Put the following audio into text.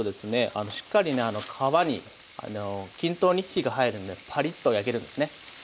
あのしっかりね皮に均等に火が入るんでパリッと焼けるんですね。